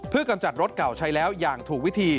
กำจัดรถเก่าใช้แล้วอย่างถูกวิธี